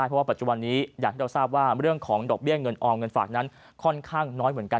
เพราะว่าปัจจุบันนี้อย่างที่เราทราบว่าเรื่องของดอกเบี้ยเงินออมเงินฝากนั้นค่อนข้างน้อยเหมือนกัน